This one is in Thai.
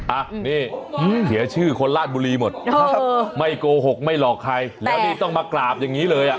อ่ะนี่เสียชื่อคนราชบุรีหมดครับไม่โกหกไม่หลอกใครแล้วนี่ต้องมากราบอย่างนี้เลยอ่ะ